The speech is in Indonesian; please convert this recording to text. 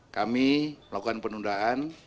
kami melakukan penundaan